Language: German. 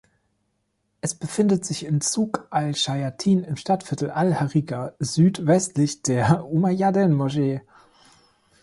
Es befindet sich im Suq al-Chayattin im Stadtviertel al-Hariqa südwestlich der Umayyaden-Moschee.